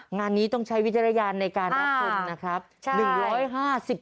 งานนี้ต้องใช้วิจารณญาณในการรับชมนะครับ